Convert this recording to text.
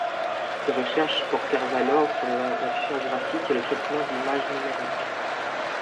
Ses recherches portent alors sur l'affichage graphique et le traitement d'image numérique.